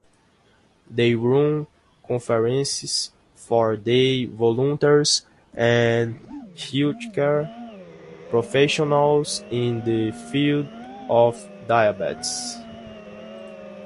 They run conferences for their volunteers and healthcare professionals in the field of diabetes.